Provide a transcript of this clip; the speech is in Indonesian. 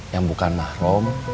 yang bukan mahrum